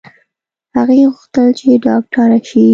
هغې غوښتل چې ډاکټره شي